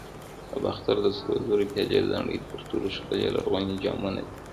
د باختر د سرو زرو پیالې د نړۍ تر ټولو ښکلي لرغوني جامونه دي